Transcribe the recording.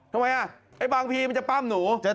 ทำไมบังพีจะป้ามหนู